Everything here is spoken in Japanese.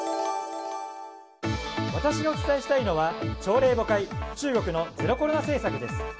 私がお伝えしたいのは朝令暮改中国のゼロコロナ政策です。